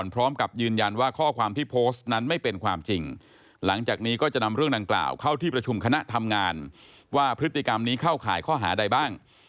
พฤติกรรมนี้เข้าขายข้อหาใดบ้าง